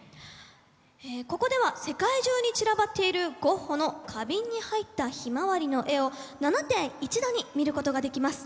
ここでは世界中に散らばっているゴッホの花瓶に入った「ヒマワリ」の絵を７点一度に見ることができます。